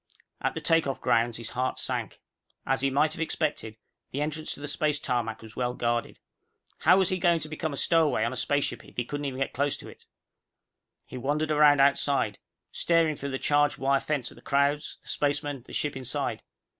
At the takeoff grounds, his heart sank. As he might have expected, the entrance to the space tarmac was well guarded. How was he going to become a stowaway on a spaceship if he couldn't even get close to it? He wandered around outside, staring through the charged wire fence at the crowds, the spacemen, the ships inside.